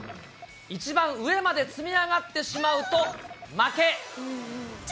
一番上まで積み上がってしまうと、負け。